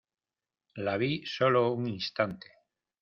la vi solo un instante